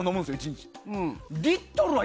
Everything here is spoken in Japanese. １日。